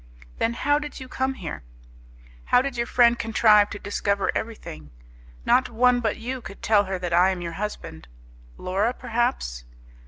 "Then, how did you come here? How did your friend contrive to discover everything? No one but you could tell her that I am your husband. Laura perhaps....